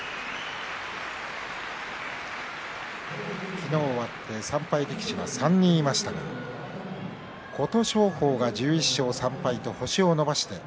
昨日、終わって３敗力士、３人いましたが琴勝峰が１１勝３敗と星を伸ばしました。